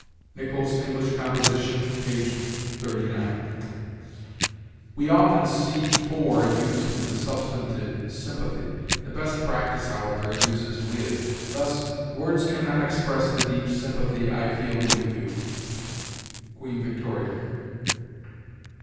Nichol's "English Composition," p. 39. We often see for used with the substantive sympathy; the best practice, however, uses with; thus, "Words can not express the deep sympathy I feel with you." Queen Victoria.